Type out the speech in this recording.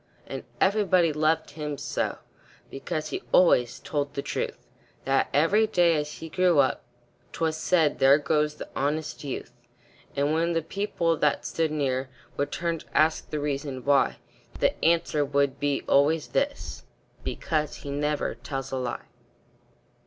And everybody loved him so, Because he always told the truth, That every day, as he grew up, 'Twas said, "There goes the honest youth." And when the people that stood near Would turn to ask the reason why, The answer would be always this: "Because he never tells a lie."